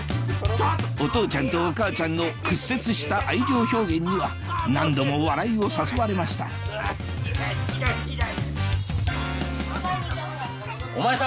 お父ちゃんとお母ちゃんの屈折した愛情表現には何度も笑いを誘われました痛い痛い痛い。お前さ。